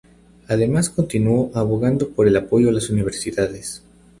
Además continuó abogando por el apoyo a las universidades.